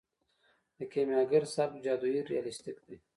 د کیمیاګر سبک جادويي ریالستیک دی.